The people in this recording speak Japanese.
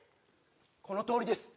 このとおりです